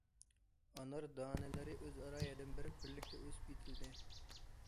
ئانار دانىلىرى ئۆزئارا ياردەم بېرىپ، بىرلىكتە ئۆسۈپ يېتىلدى.